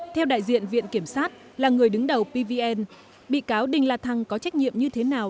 theo đại diện viện kiểm sát là người đứng đầu pvn bị cáo đinh la thăng có trách nhiệm như thế nào